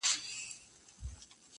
چا چي سوځولي زموږ د کلیو خړ کورونه دي!